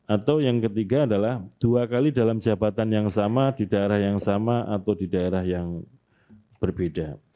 atau yang ketiga adalah dua kali dalam jabatan yang sama di daerah yang sama atau di daerah yang berbeda